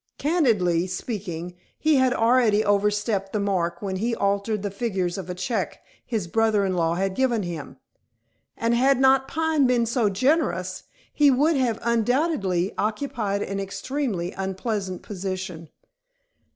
Candidly speaking, he had already overstepped the mark when he altered the figures of a check his brother in law had given him, and, had not Pine been so generous, he would have undoubtedly occupied an extremely unpleasant position.